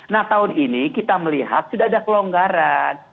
nah tahun ini kita melihat sudah ada kelonggaran